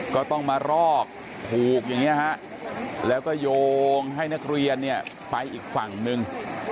ก็ต้องมารอกผูกอย่างนี้ฮะแล้วก็โยงให้นักเรียนเนี่ยไปอีกฝั่งหนึ่ง